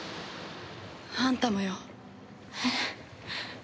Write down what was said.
あんたもよ。えっ？